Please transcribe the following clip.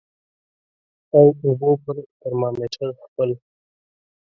او اوبو په ترمامیټر خپل